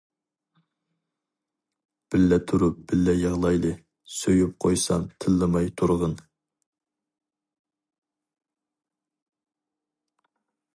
بىللە تۇرۇپ بىللە يىغلايلى، سۆيۈپ قويسام تىللىماي تۇرغىن!